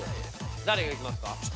誰がいきますか？